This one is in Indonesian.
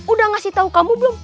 udah ngasih tahu kamu belum